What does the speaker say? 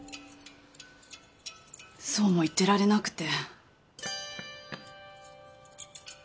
そうも言ってられなくて。